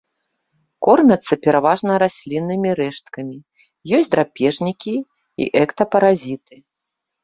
Кормяцца пераважна расліннымі рэшткамі, ёсць драпежнікі і эктапаразіты.